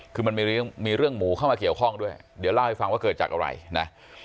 คือมันมีเรื่องหมูเข้ามาเกี่ยวข้องด้วยเดี๋ยวเล่าให้ฟังว่าเกิดจากอะไรนะ